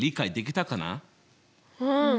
うん。